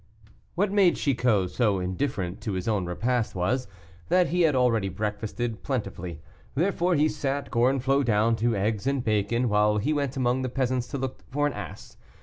What made Chicot so indifferent to his own repast was, that he had already breakfasted plentifully. Therefore, he sat Gorenflot down to eggs and bacon, while he went among the peasants to look for an ass.